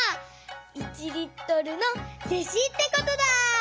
１リットルの弟子ってことだ！